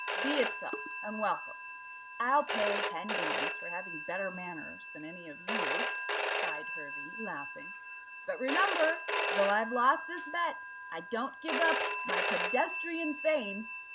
"Be it so, and welcome; I'll pay ten guineas for having better manners than any of you," cried Hervey, laughing; "but remember, though I've lost this bet, I don't give up my pedestrian fame.